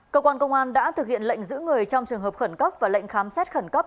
cơ quan công an đã thực hiện lệnh giữ người trong trường hợp khẩn cấp và lệnh khám xét khẩn cấp